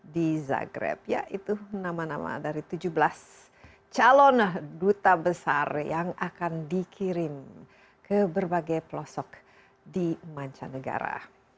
di zagreb yaitu nama nama dari tujuh belas calon duta besar yang akan dikirim ke berbagai pelosok di mancanegara